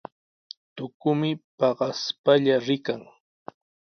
Tukumi paqaspalla rikan.